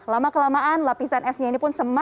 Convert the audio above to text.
lama kelamaan lapisan esnya ini pun semakin